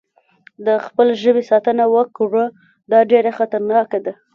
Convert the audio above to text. د خپل ژبې ساتنه وکړه، دا ډېره خطرناکه ده.